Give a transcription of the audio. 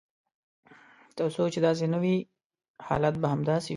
تر څو چې داسې نه وي حالات به همداسې وي.